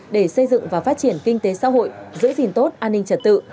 để xây dựng và phát triển kinh tế xã hội giữ gìn tốt an ninh trật tự